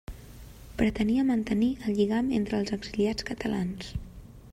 Pretenia mantenir el lligam entre els exiliats catalans.